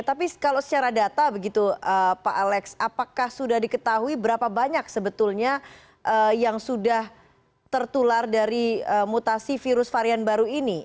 tapi kalau secara data begitu pak alex apakah sudah diketahui berapa banyak sebetulnya yang sudah tertular dari mutasi virus varian baru ini